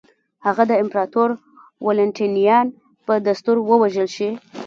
هغه د امپراتور والنټینیان په دستور ووژل شي.